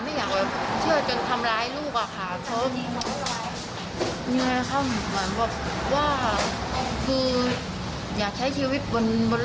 ไม่อยากให้เชื่อใสเยอะสายเยอะเกินไปอ่ะค่ะบางครั้งมันเป็นขั้นทำร้ายชีวิตคนหนึ่งได้เลย